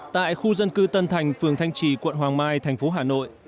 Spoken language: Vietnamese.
tại khu dân cư tân thành phường thanh trì quận hoàng mai thành phố hà nội